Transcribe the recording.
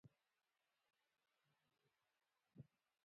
تمه کول مو هیلې وژني